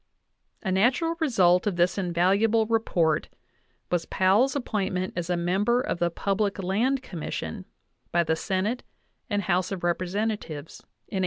A natural result of this invaluable report was Powell's appointment as a member of the Public Land Commission by the Senate and House of Representatives in 1879.